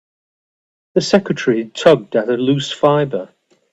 The secretary tugged at a loose fibre.